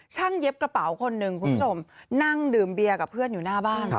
เย็บกระเป๋าคนหนึ่งคุณผู้ชมนั่งดื่มเบียร์กับเพื่อนอยู่หน้าบ้าน